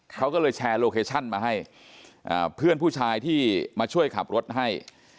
เขาก็เลยแชร์โลเคชั่นมาให้เพื่อนผู้ชายที่มาช่วยขับรถให้